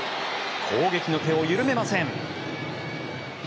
攻撃の手を緩めません。